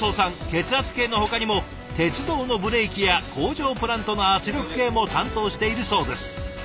血圧計のほかにも鉄道のブレーキや工場プラントの圧力計も担当しているそうです。